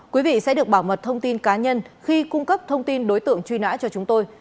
quý vị sẽ được bảo mật thông tin cá nhân khi cung cấp thông tin đối tượng truy nã cho chúng tôi